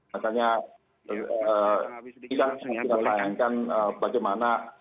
makanya kita harus melayankan bagaimana